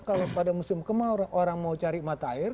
kalau pada musim kemau orang mau cari mata air